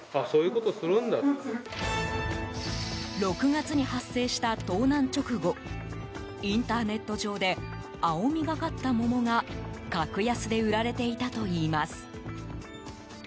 ６月に発生した盗難直後インターネット上で青みがかった桃が格安で売られていたといいます。